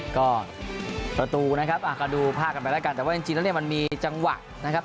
ก็ประตูนะครับก็ดูภาพกันไปแล้วกันแต่ว่าจริงแล้วเนี่ยมันมีจังหวะนะครับ